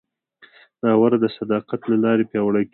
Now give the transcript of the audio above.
باور د صداقت له لارې پیاوړی کېږي.